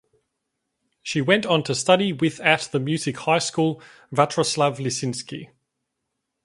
She went on to study with at the music high school Vatroslav Lisinski.